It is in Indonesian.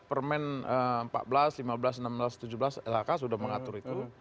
permen empat belas lima belas enam belas tujuh belas lhk sudah mengatur itu